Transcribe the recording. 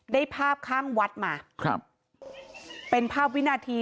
ทีมข่าวก็เลยไปไล่ดูภาพจากกล้องวงจรปิด